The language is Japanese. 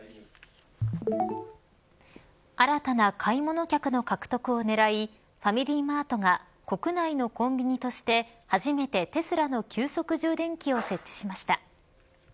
新たな買い物客の獲得をねらいファミリーマートが国内のコンビニとして初めてテスラの急速充電器を設置しました。